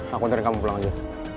aku ntarin kamu pulang aja